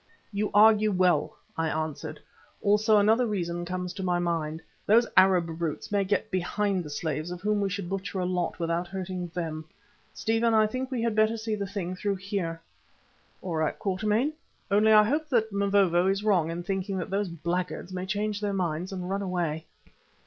"You argue well," I answered; "also another reason comes to my mind. Those Arab brutes may get behind the slaves, of whom we should butcher a lot without hurting them. Stephen, I think we had better see the thing through here." "All right, Quatermain. Only I hope that Mavovo is wrong in thinking that those blackguards may change their minds and run away."